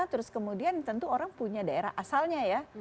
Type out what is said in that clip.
terus kemudian tentu orang punya daerah asalnya ya